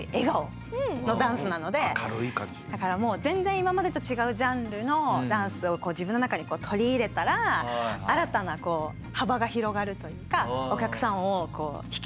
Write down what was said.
だからもう全然今までと違うジャンルのダンスを自分の中に取り入れたら新たな幅が広がるというか。